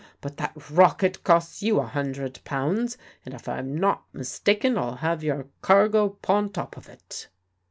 But that rocket costs you a hundred pounds, and if I'm not mistaken I'll have your cargo 'pon top of it."